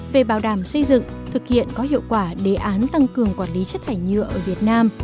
về bảo đảm xây dựng thực hiện có hiệu quả đề án tăng cường quản lý chất thải nhựa ở việt nam